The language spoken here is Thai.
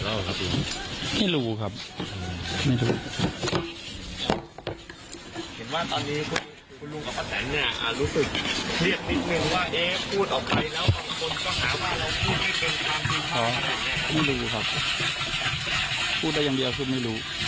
ถ้าเขาบอกไว้เหตุถามว่าคนเลื่อนก็เป็นเพราะอะไร